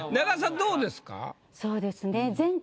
どうですか？